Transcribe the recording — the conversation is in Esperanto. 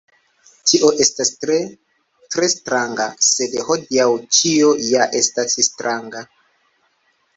Tio estos tre, tre stranga, sed hodiaŭ ĉio ja estas stranga.”